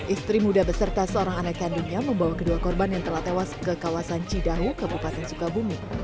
istri muda beserta seorang anak kandungnya membawa kedua korban yang telah tewas ke kawasan cidahu kabupaten sukabumi